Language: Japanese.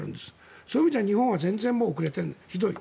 そういう意味じゃ日本は全然遅れている、ひどい。